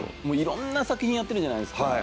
もう色んな作品やってるじゃないですか。